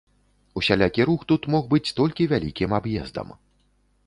Усялякі рух тут мог быць толькі вялікім аб'ездам.